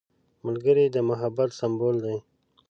ملګری د محبت سمبول دی